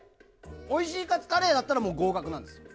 おいしいカツカレーだったら合格なんですよ。